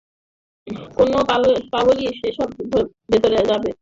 কোনো পাগলই সেসময় ভেতরে যাবে।